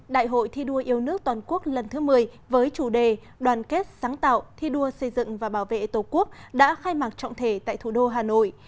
đại hội thi đua yêu nước toàn quốc lần thứ một mươi với chủ đề đoàn kết sáng tạo thi đua xây dựng và bảo vệ tổ quốc đã khai mạc trọng thể tại thủ đô hà nội